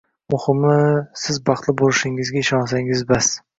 Muhimi, siz baxtli bo`lishingizga ishonsangiz, bas